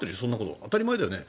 当たり前だよね。